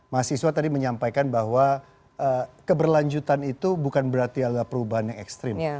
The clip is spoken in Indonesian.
mahasiswa tadi menyampaikan bahwa keberlanjutan itu bukan berarti adalah perubahan yang ekstrim